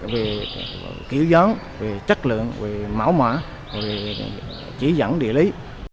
về kiểu gió về chất lượng về máu mỏ về chỉ dẫn địa lý